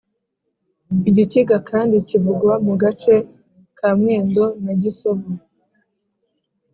igikiga kandi kivugwa mu gace ka mwendo na gisovu